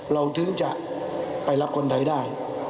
เราถึงจะไปรับคนไทยได้